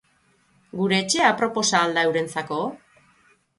Gure etxea aproposa al da eurentzako?